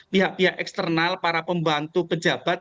pihak pihak eksternal para pembantu pejabat